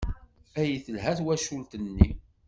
Ay telha twacult-nni!